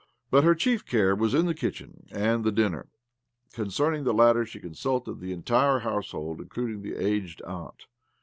But her chief care was the kitchen and the dinner. Concerning the latter she consulted the entire household, including the aged aunt.